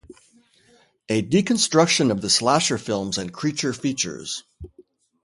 A deconstruction of the slasher films and creature features.